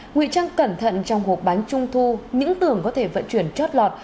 nguyện trang cẩn thận trong hộp bánh trung thu những tường có thể vận chuyển trót lọt